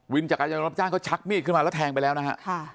จักรยานยนรับจ้างเขาชักมีดขึ้นมาแล้วแทงไปแล้วนะฮะ